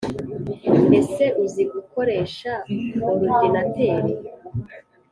Ese uzi gukoresha orudinateri